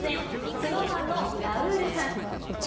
ＳｎｏｗＭａｎのラウールさん。